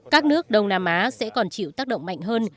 các nước đông nam á sẽ còn chịu tác động mạnh hơn